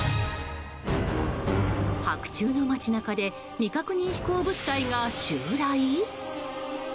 白昼の街中で未確認飛行物体が襲来？